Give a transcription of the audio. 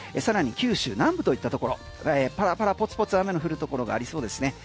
九州南部といったところパラパラポツポツ雨の降るところがありそうですね。